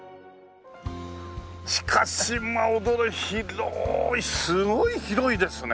しかしまあ広いすごい広いですね。